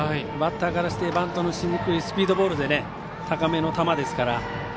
バッターからしてバントのしにくいスピードボールで高めの球ですから。